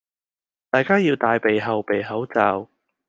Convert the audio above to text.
大家要帶備後備口罩